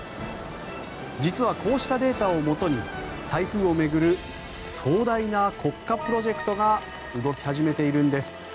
実はこうしたデータをもとに台風を巡る壮大な国家プロジェクトが動き始めているんです。